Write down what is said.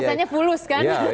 ya yang penting mereka kan